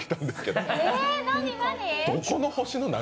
どこの星の何？